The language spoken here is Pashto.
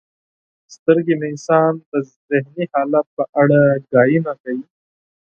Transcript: • سترګې د انسان د ذهني حالت په اړه خبرې کوي.